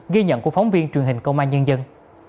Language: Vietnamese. ghi nhận của phóng viên truyền hình công an nhân dân